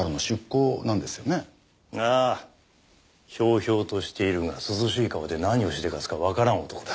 飄々としているが涼しい顔で何をしでかすかわからん男だ。